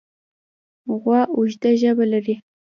غوا اوږده ژبه لري.